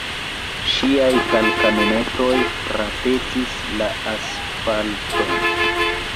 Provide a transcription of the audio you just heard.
Ŝiaj kalkanumetoj frapetis la asfalton.